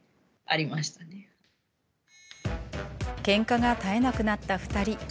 けんかが絶えなくなった２人。